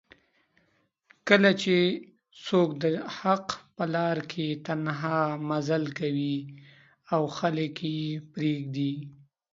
کله چې څوک دحق په لار کې تنها مزل کوي او خلک یې پریږدي